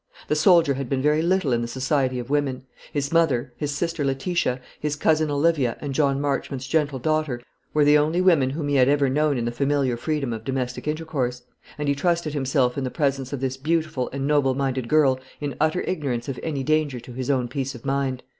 The soldier had been very little in the society of women. His mother, his sister Letitia, his cousin Olivia, and John Marchmont's gentle daughter were the only women whom he had ever known in the familiar freedom of domestic intercourse; and he trusted himself in the presence of this beautiful and noble minded girl in utter ignorance of any danger to his own peace of mind.